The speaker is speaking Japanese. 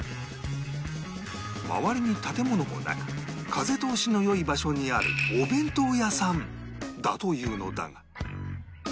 周りに建物もなく風通しの良い場所にあるお弁当屋さんだというのだが